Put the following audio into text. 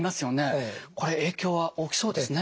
これ影響は大きそうですね。